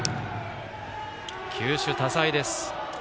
球種多彩です。